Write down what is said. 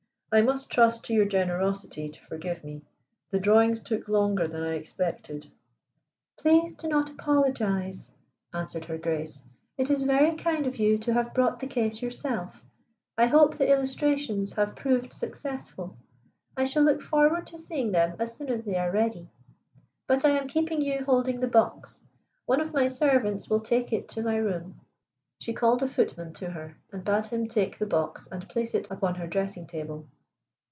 I must trust to your generosity to forgive me. The drawings took longer than I expected." "Please do not apologize," answered Her Grace. "It is very kind of you to have brought the case yourself. I hope the illustrations have proved successful. I shall look forward to seeing them as soon as they are ready. But I am keeping you holding the box. One of my servants will take it to my room." She called a footman to her, and bade him take the box and place it upon her dressing table.